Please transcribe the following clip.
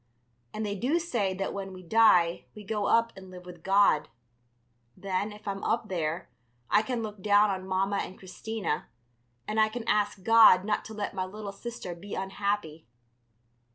And they do say that when we die we go up and live with God. Then, if I'm up there, I can look down on Mamma and Christina, and I can ask God not to let my little sister be unhappy.